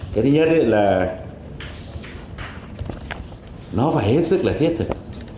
cái thứ nhất là nó phải hết sức là thiết thực